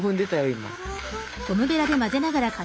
今。